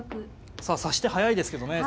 さあ指し手速いですけどね